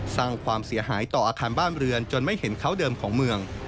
สร้างความเสียหายต่ออาคารบ้านเรือนจนไม่เห็นเขาเดิมของเมือง